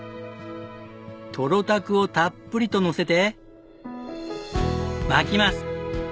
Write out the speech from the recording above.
トロたくをたっぷりとのせて巻きます。